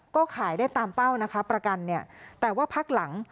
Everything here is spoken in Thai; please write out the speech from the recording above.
ก็ขายได้ตามเป้านะคะประกันเนี่ยแต่ว่าพักหลัง